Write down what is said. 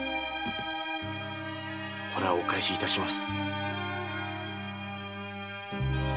これはお返しいたします。